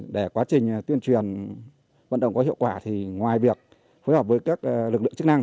để quá trình tuyên truyền vận động có hiệu quả thì ngoài việc phối hợp với các lực lượng chức năng